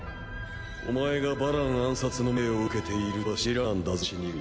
お前がバラン暗殺の命を受けているとは知らなんだぞ死神。